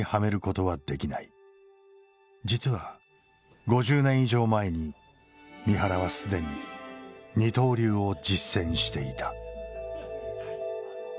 実は５０年以上前に三原は既に二刀流を実践していた。